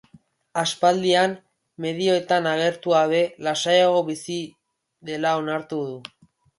Aspaldian medioetan agertu gabe, lasaiago bizi dela onartu du.